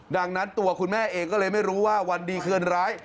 ดังนั้นตัวคุณแม่เองก็เลยไม่รู้ว่าวันดีคืนร้าย